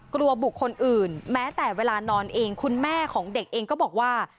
กลัวบุคคลอื่นแม้แต่เวลานอนเองคุณแม่ของเด็กเองก็บอกว่า